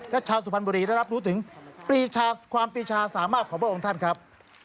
และชาวสุพรรณบุรีได้รับรู้ถึงปีชาความปีชาสามารถของพระองค์ท่านครับ